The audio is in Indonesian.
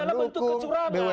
ini adalah bentuk kecurangan